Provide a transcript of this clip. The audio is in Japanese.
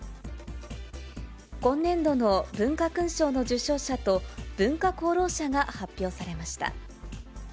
今年度の文化勲章の受章者と文化功労者が発表されました。